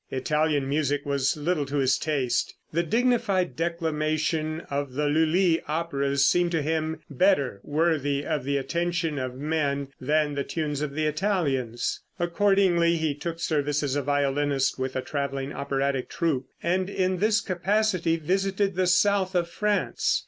Italian music was little to his taste. The dignified declamation of the Lulli operas seemed to him better worthy the attention of men than the tunes of the Italians. Accordingly he took service as a violinist with a traveling operatic troupe, and in this capacity visited the south of France.